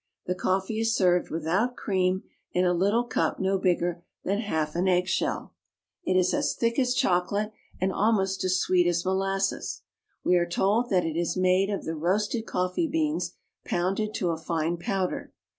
The coffee is served without cream, in a little cup no bigger than half an eggshell. It is as thick as chocolate, and almost as sweet as molasses; we are told that it is made of the roasted coffee beans pounded to a fine powder.